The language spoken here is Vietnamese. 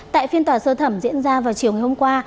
tại phiên tòa sơ thẩm diễn ra vào chiều ngày hôm qua